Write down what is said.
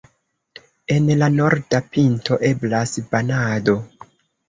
En la norda pinto eblas banado.